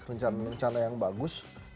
rencana rencana yang bagus